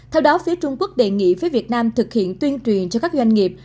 theo đó phía trung quốc đề nghị phía việt nam thực hiện tuyên truyền cho các doanh nghiệp